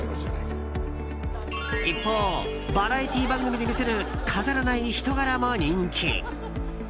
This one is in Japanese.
一方、バラエティー番組で見せる飾らない人柄も人気。